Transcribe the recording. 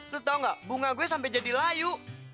lo tau gak bunga gue sampe jadi layu